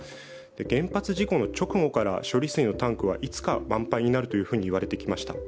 原発事故の直後から処理水のタンクはいつか満杯になるといわれてきました。